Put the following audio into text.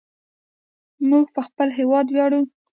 موږ په خپل هیواد ویاړو.